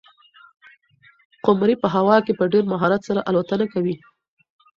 قمري په هوا کې په ډېر مهارت سره الوتنه کوي.